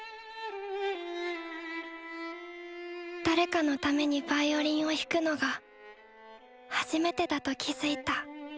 誰かのためにヴァイオリンを弾くのが初めてだと気付いた。